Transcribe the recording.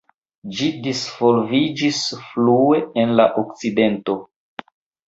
Ĝi disvolviĝis plue en la Okcidento.